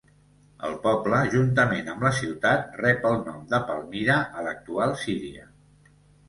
El poble, juntament amb la ciutat, rep el nom de Palmyra a l'actual Síria.